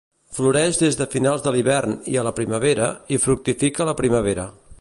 Floreix des de finals de l'hivern i a la primavera i fructifica a la primavera.